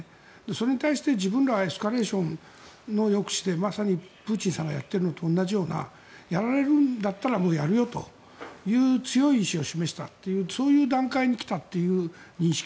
それに対して自分らはエスカレーションの抑止でまさにプーチンさんがやっているのと同じようなやられるんだったらもうやるよという強い意思を示したというそういう段階に来たという認識